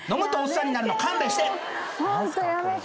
ホントやめて。